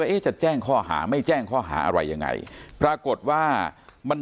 เอ๊ะจะแจ้งข้อหาไม่แจ้งข้อหาอะไรยังไงปรากฏว่ามัน